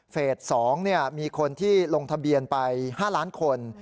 ๒มีคนที่ลงทะเบียนไป๕ล้านคน